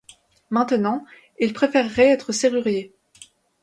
Maintenant, il préférerait être serrurier.